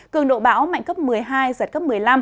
cường độ bão mạnh cấp một mươi hai giật cấp một mươi năm